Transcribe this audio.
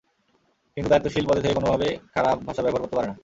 কিন্তু দায়িত্বশীল পদে থেকে কোনোভাবেই খারাপ ভাষা ব্যবহার করতে পারে না।